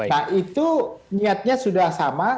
nah itu niatnya sudah sama